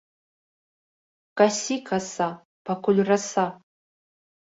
Касі, каса, пакуль раса!